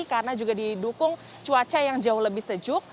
karena juga didukung cuaca yang jauh lebih sejuk